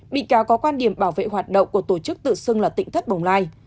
bị cáo có quan điểm bảo vệ hoạt động của tổ chức tự xưng là tỉnh thất bồng lai